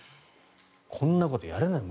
こんなことやれない。